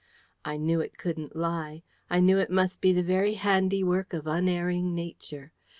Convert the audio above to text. I knew it couldn't lie: I knew it must be the very handiwork of unerring Nature.